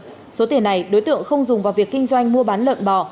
tổng số tiền đối tượng không dùng vào việc kinh doanh mua bán lợn bò